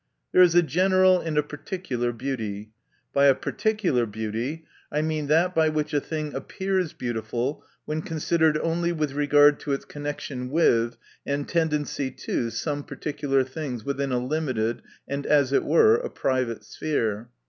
— There is a general and a particular beauty. By a particular beauty, I mean that by which a thing appears beautiful when con sidered only with regard to its connection with, and tendency to some particular things within a limited, and, as it were, a private sphere.